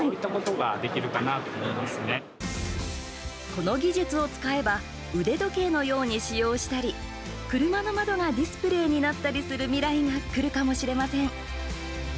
この技術を使えば腕時計のように使用したり車の窓がディスプレーになったりする未来がくるかもしれません。